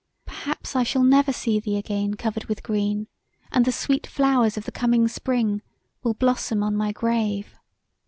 Perhaps I shall never see thee again covered with green, and the sweet flowers of the coming spring will blossom on my grave.